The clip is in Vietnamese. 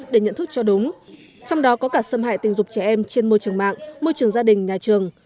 để nhận thức cho đúng trong đó có cả xâm hại tình dục trẻ em trên môi trường mạng môi trường gia đình nhà trường